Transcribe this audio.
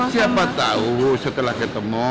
siapa tau setelah ketemu